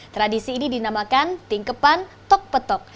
tradisi ini dinamakan tingkepan tokpetok